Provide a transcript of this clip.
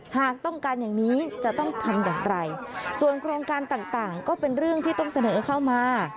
หากต้องการอย่างนี้จะต้องทำอย่างไรส่วนโครงการต่างก็เป็นเรื่องที่ต้องเสนอเข้ามา